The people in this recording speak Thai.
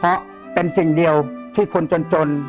เพราะเป็นสิ่งเดียวที่คนจน